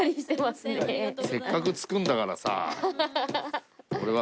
せっかく作るんだからさあ。